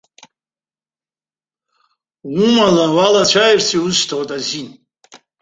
Умала улацәажәарц иусҭоит азин.